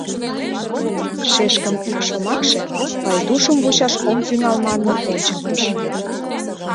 Шешкын ик шомакше Пайдушым вучаш ом тӱҥал манмым ончыктыш.